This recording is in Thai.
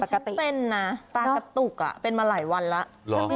ก็เป็นนะตากระตุกเป็นมาหลายวันแล้ว